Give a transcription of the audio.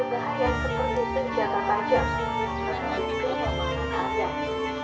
hai berbahaya seperti senjata pajak menjadikan